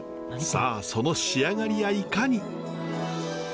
さあその仕上がりやいかに。